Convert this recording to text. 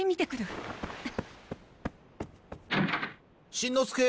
しんのすけ？